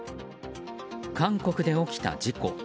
韓国で起きた事故。